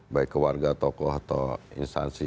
baik ke warga tokoh atau instansi